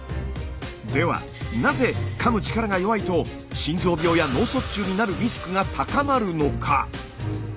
ではなぜかむ力が弱いと心臓病や脳卒中になるリスクが高まるのか？